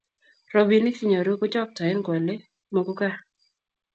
robinik chenyoru kochoktoen koale muguka